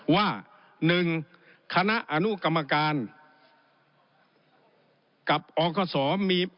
ว่า๑คณะอนุกรรมการกับอคศมี